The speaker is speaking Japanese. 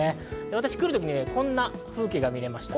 私、来る時にこんな風景が見られました。